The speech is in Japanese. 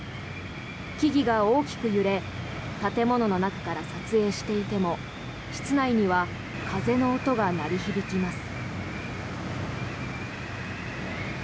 木々が大きく揺れ建物の中から撮影していても室内には風の音が鳴り響きます。